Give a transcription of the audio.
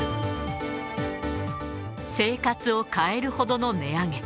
生活を変えるほどの値上げ。